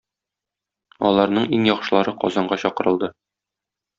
Аларның иң яхшылары Казанга чакырылды.